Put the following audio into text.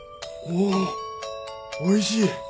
おおおいしい